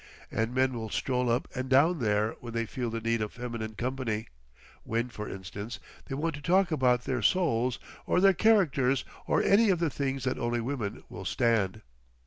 And men will stroll up and down there when they feel the need of feminine company; when, for instance, they want to talk about their souls or their characters or any of the things that only women will stand....